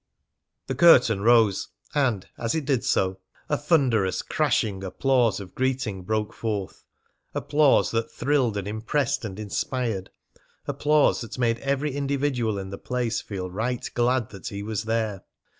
The curtain rose, and, as it did so, a thunderous, crashing applause of greeting broke forth applause that thrilled and impressed and inspired; applause that made every individual in the place feel right glad that he was there.